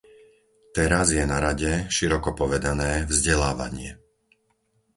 Teraz je na rade, široko povedané, vzdelávanie.